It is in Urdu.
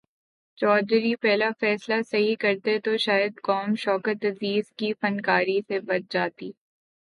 چودھری پہلا فیصلہ صحیح کرتے تو شاید قوم شوکت عزیز کی فنکاری سے بچ جاتی۔